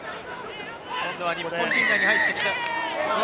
今度は日本陣内に入ってきた。